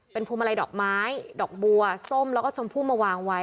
เป็นพวงมาลัยดอกไม้ดอกบัวส้มแล้วก็ชมพู่มาวางไว้